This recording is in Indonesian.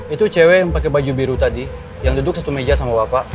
itu cewek yang pakai baju biru tadi yang duduk satu meja sama bapak